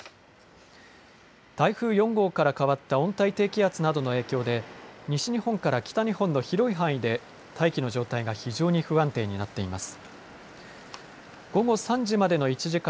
台風４号から変わった温帯低気圧などの影響で西日本から北日本の広い範囲で大気の状態が非常に不安定になっています。